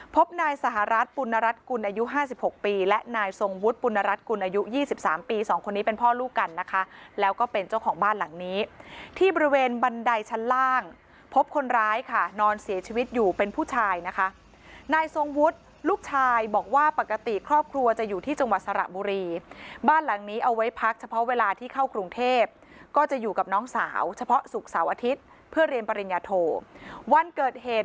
ปุณรัชกุลอายุ๕๖ปีและนายสงวุฒิปุณรัชกุลอายุ๒๓ปี๒คนนี้เป็นพ่อลูกกันนะคะแล้วก็เป็นเจ้าของบ้านหลังนี้ที่บริเวณบันไดชั้นล่างพบคนร้ายค่ะนอนเสียชีวิตอยู่เป็นผู้ชายนะคะนายสงวุฒิลูกชายบอกว่าปกติครอบครัวจะอยู่ที่จังหวัดสระบุรีบ้านหลังนี้เอาไว้พักเฉพาะเวลาที่เข้ากรุงเทพก็จะอยู่ก